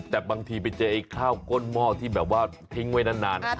แต่บางทีไปเจอไอ้ข้าวก้นหม้อที่แบบว่าทิ้งไว้นาน